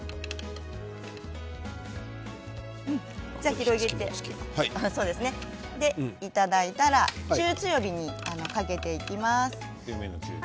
広げていただいたら中強火にかけていきます。